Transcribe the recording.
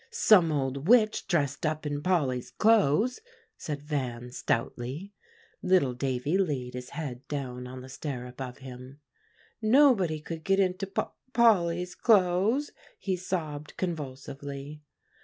"Some old witch dressed up in Polly's clothes," said Van stoutly. Little Davie laid his head down on the stair above him, "Nobody could get into Pol Polly's clothes," he sobbed convulsively.